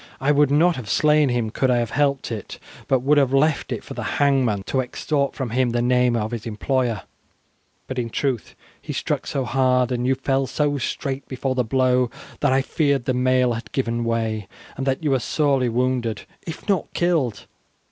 "I would not have slain him could I have helped it, but would have left it for the hangman to extort from him the name of his employer; but, in truth, he struck so hard, and you fell so straight before the blow, that I feared the mail had given way, and that you were sorely wounded if not killed.